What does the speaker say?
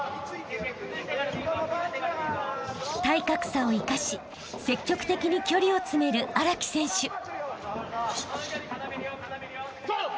［体格差を生かし積極的に距離を詰める荒木選手］